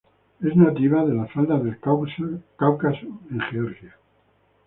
Es nativa de las faldas del Cáucaso en Georgia.